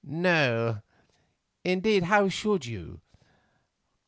"No; indeed, how should you?